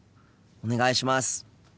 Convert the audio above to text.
お願いします。